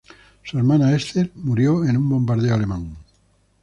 Su hermana Esther murió en un bombardeo alemán.